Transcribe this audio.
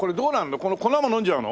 この粉も飲んじゃうの？